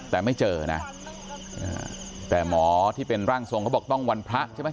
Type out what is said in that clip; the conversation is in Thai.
แต่ไม่เจอนะแต่หมอที่เป็นร่างทรงเขาบอกต้องวันพระใช่ไหม